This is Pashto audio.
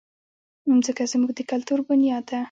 مځکه زموږ د کلتور بنیاد ده.